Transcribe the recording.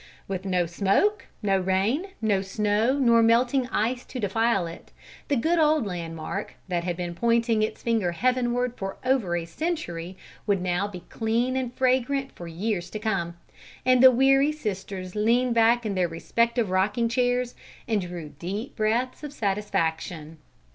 With no smoke, no rain, no snow nor melting ice to defile it, the good old landmark that had been pointing its finger Heavenward for over a century would now be clean and fragrant for years to come, and the weary sisters leaned back in their respective rocking chairs and drew deep breaths of satisfaction.